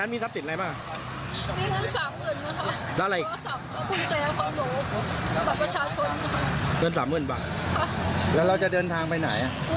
มันติดต่อได้อ่ะ